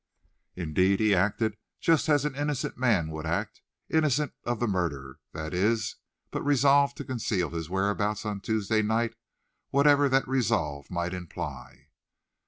Indeed, he acted just as an innocent man would act; innocent of the murder, that is, but resolved to conceal his whereabouts of Tuesday night, whatever that resolve might imply.